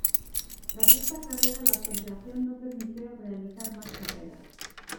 Tras esta carrera la Federación no permitió realizar más carreras.